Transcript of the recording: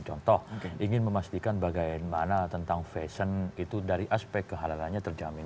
contoh ingin memastikan bagaimana tentang fashion itu dari aspek kehalalannya terjamin